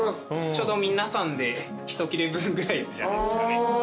ちょうど皆さんで一切れ分ぐらいじゃないですかね。